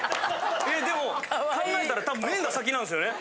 えでも考えたら多分麺が先なんですよね？